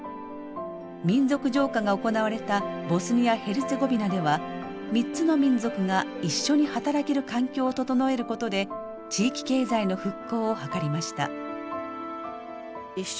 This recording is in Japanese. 民族浄化が行われたボスニア・ヘルツェゴビナでは３つの民族が一緒に働ける環境を整えることで地域経済の復興を図りました。